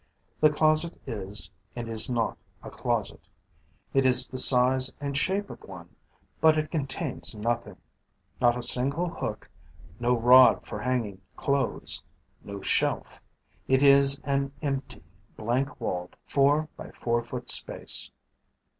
The closet is and is not a closet; it is the size and shape of one, but it contains nothing, not a single hook, no rod for hanging clothes, no shelf. It is an empty, blank walled, four by four foot space.